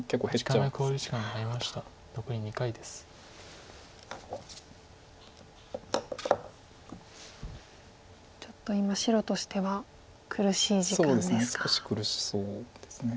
ちょっと今白としては苦しい時間ですか。